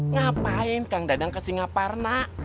ngapain kang dadang ke singaparna